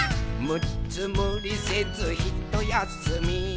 「むっつむりせずひとやすみ」